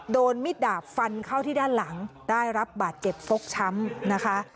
มิดดาบฟันเข้าที่ด้านหลังได้รับบาดเจ็บฟกช้ำนะคะ